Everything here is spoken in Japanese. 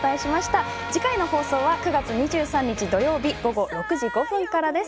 次回の放送は９月２３日土曜日午後６時５分からです。